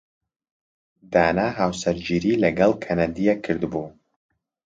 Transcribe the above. دانا هاوسەرگیریی لەگەڵ کەنەدییەک کردبوو.